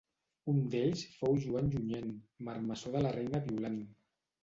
Un d'ells fou Joan Junyent, marmessor de la reina Violant.